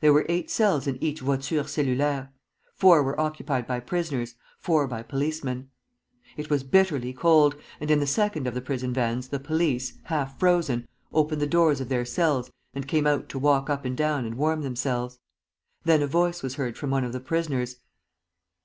There were eight cells in each voiture cellulaire; four were occupied by prisoners, four by policemen. It was bitterly cold, and in the second of the prison vans the police, half frozen, opened the doors of their cells and came out to walk up and down and warm themselves. Then a voice was heard from one of the prisoners.